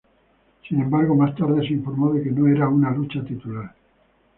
Sin embargo, más tarde se informó de que no era una lucha titular.